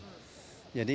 jadi itu kan terjadi